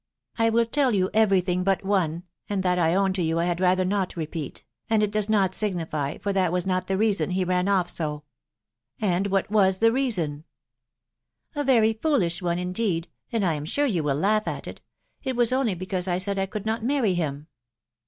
" I will tell you every thing but one, and that I own to yot I had rather not repeat .... and it does not signify, for that was not the reason he ran off so." " And what was the reason ?"— "A very foolish one, indeed, and I am sure you will laugh at it .... it was only because I said I could not marry him."